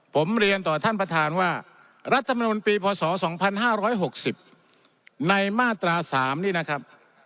ผมเรียนต่อท่านประธานว่ารัฐมนุนปีพศ๒๕๖๐ในมาตรา๓นี่นะครับ